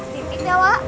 timik ya wak